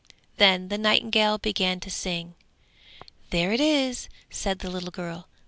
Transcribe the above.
Then the nightingale began to sing. 'There it is!' said the little girl.